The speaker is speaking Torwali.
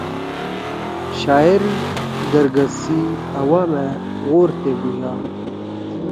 شاعر گرگس سی عوامأ گورتے بُھویا